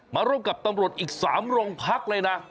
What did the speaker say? ร่วมกับตำรวจอีก๓โรงพักเลยนะ